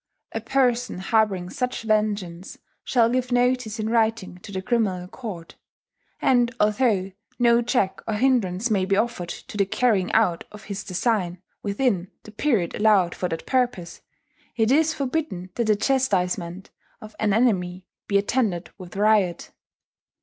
A person harbouring such vengeance shall give notice in writing to the criminal court; and although no check or hindrance may be offered to the carrying out of his design within the period allowed for that purpose, it is forbidden that the chastisement of an enemy be attended with riot.